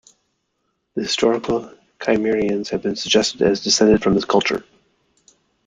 The historical Cimmerians have been suggested as descended from this culture.